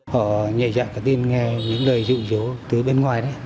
họ nhảy dạng cái tin nghe những lời dụ dỗ từ bên ngoài đấy